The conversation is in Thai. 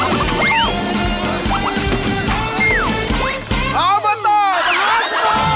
ออบตมหาสนุก